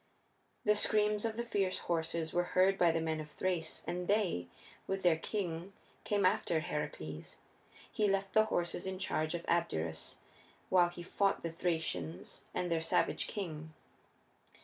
The screams of the fierce horses were heard by the men of Thrace, and they, with their king, came after Heracles. He left the horses in charge of Abderus while he fought the Thracians and their savage king.